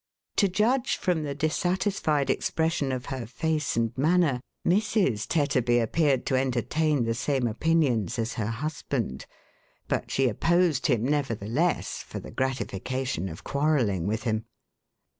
"" To judge from the dissatisfied expression of her face and manner, Mrs. Tetterby appeared to entertain the vim» opinions as her husband ; but she opposed him, nevertheless, for the gratification of quarrelling with him.